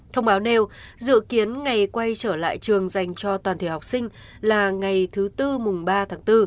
thông báo nêu dự kiến ngày quay trở lại trường dành cho toàn thể học sinh là ngày thứ tư mùng ba tháng bốn